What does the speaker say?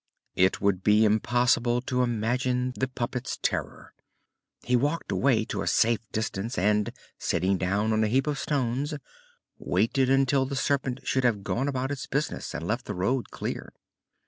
It would be impossible to imagine the puppet's terror. He walked away to a safe distance and, sitting down on a heap of stones, waited until the Serpent should have gone about its business and left the road clear.